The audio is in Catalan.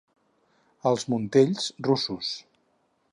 Als Muntells, russos.